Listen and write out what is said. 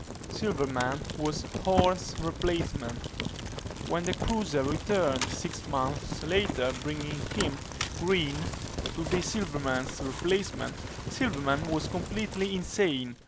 Silverman was Horne's replacement. When the cruiser returned six months later bringing him, Green, to be Silverman's replacement, Silverman was completely insane.